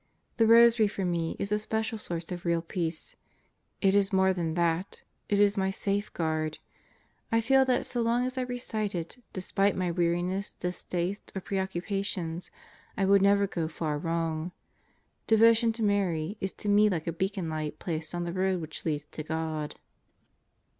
The rosary for me is a special source of real peace. It is more than that; it is my safeguard. I feel that so long as I recite it despite my weariness, distaste, or pre occupations, I will never go far wrong. Devotion to Mary is to me like a beacon light placed on the road which leads to God.